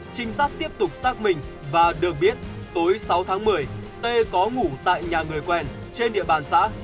chính xác tiếp tục xác minh và được biết tối sáu tháng một mươi tê có ngủ tại nhà người quen trên địa bàn xã